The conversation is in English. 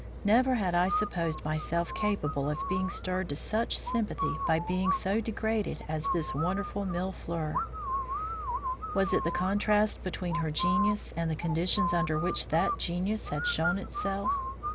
Never had I supposed myself capable of being stirred to such sympathy by a being so degraded as this wonderful Mille fleurs. Was it the contrast between her genius and the conditions under which that genius had shown itself?